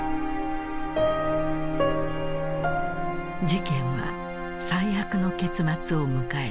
事件は最悪の結末を迎えた。